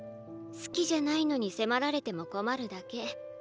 好きじゃないのに迫られても困るだけ。